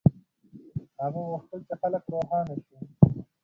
هغه غوښتل چې خلک روښانه شي.